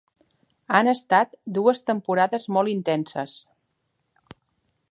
Han estat dues temporades molt intenses.